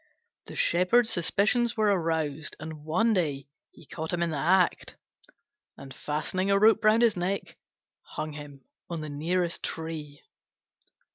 The Shepherd's suspicions were aroused, and one day he caught him in the act; and, fastening a rope round his neck, hung him on the nearest tree.